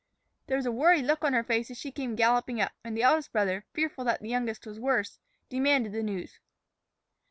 There was a worried look on her face as she came galloping up, and the eldest brother, fearful that the youngest was worse, demanded the news.